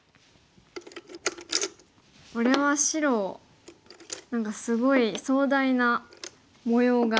これは白何かすごい壮大な模様が。